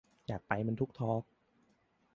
อยากไปมันทุกทอล์ก